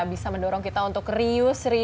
bisa mendorong kita untuk riuse